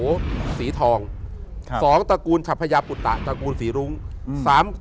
สองสองสองสองสองสองสองสองสองสองสองสองสองสองสองสองสองสองสองสองสองสองสองสองสองสองสองสองสอง